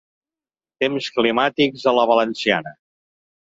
Temps climàtics a la valenciana.